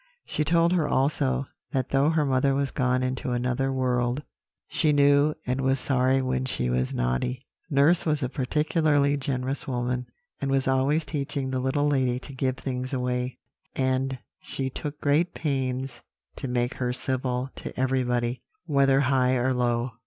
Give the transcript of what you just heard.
She told her also, that though her mother was gone into another world, she knew and was sorry when she was naughty. "Nurse was a particularly generous woman, and was always teaching the little lady to give things away; and she took great pains to make her civil to everybody, whether high or low.